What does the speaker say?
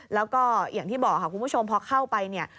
แล้วก็อย่างที่บอกค่ะคุณผู้ชมพอเข้าไปเนี่ย